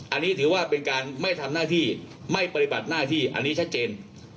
อันนี้ถือว่าเป็นการไม่ทำหน้าที่ไม่ปฏิบัติหน้าที่อันนี้ชัดเจน